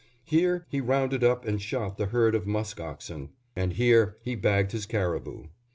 Here he rounded up and shot the herd of musk oxen, and here he bagged his caribou.